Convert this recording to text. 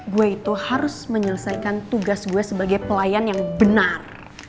gue itu harus menyelesaikan tugas gue sebagai pelayan yang benar